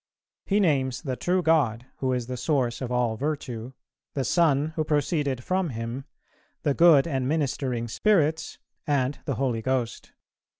He names the true God, who is the source of all virtue; the Son, who proceeded from Him; the good and ministering spirits; and the Holy Ghost.